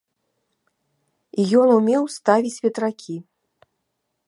Ён умеў ставіць ветракі.